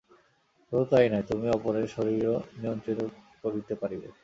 শুধু তাই নয়, তুমি অপরের শরীরও নিয়ন্ত্রিত করিতে পারিবে।